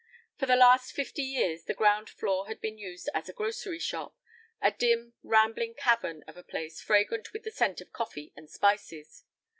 For the last fifty years the ground floor had been used as a grocery shop, a dim, rambling cavern of a place fragrant with the scent of coffee and spices.